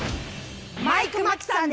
マイク眞木さん！